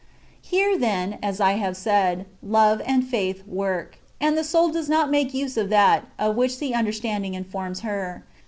Here, then (as I have said), love and faith work, and the soul does not make use of that, of which the understanding informs her.